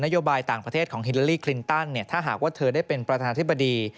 โยบายต่างประเทศของฮิลาลีคลินตันถ้าหากว่าเธอได้เป็นประธานธิบดี